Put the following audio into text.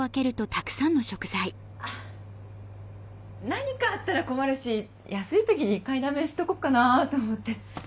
あっ何かあったら困るし安い時に買いだめしとこっかなと思って。